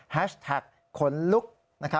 แฮชแท็กขนลุก